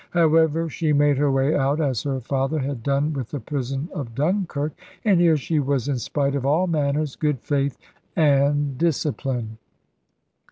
However, she made her way out, as her father had done with the prison of Dunkirk; and here she was in spite of all manners, good faith, and discipline.